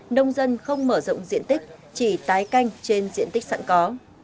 nông dân không mở rộng diện tích chỉ tái canh trên diện tích sẵn có